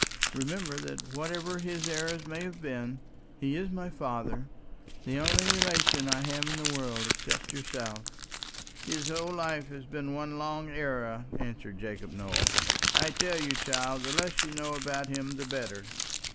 Remember that whatever his errors may have been, he is my father the only relation I have in the world except yourself." "His whole life has been one long error," answered Jacob Nowell. "I tell you, child, the less you know of him the better."